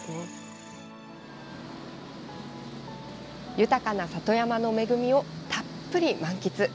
豊かな里山の恵みをたっぷり満喫。